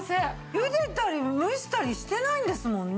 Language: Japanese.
ゆでたり蒸したりしてないんですもんね。